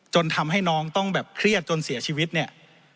จนทำให้น้องต้องแบบเครียดจนเสียชีวิตเนี่ย